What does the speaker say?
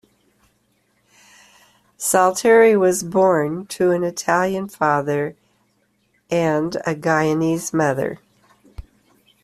Stalteri was born to an Italian father and a Guyanese mother.